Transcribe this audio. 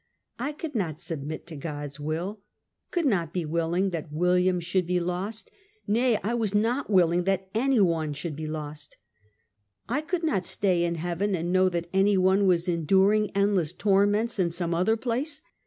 I could not sub mit to God's will — could not be willing that William should be lost — nay, I was not walling that any one should be lost. I could not stay in heaven, and know that any one was enduring endless torments in some other place!